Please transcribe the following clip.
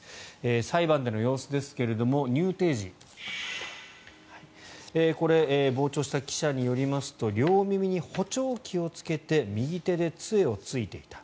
裁判での様子ですが、入廷時これ、傍聴した記者によりますと両耳に補聴器をつけて右手で杖をついていた。